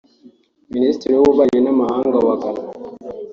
Minisitiri w’Ububanyi n’Amahanga wa Ghana